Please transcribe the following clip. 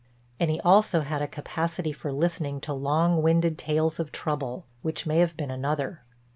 And he also had a capacity for listening to long winded tales of trouble, which may have been another.